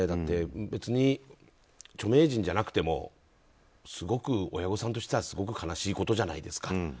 別に著名人じゃなくても親御さんとしてはすごく悲しいことじゃないですか。